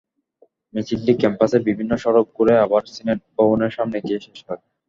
মিছিলটি ক্যাম্পাসের বিভিন্ন সড়ক ঘুরে আবার সিনেট ভবনের সামনে গিয়ে শেষ হয়।